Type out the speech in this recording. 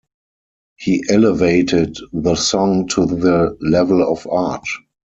He elevated the song to the level of art.